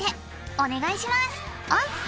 お願いしますおす！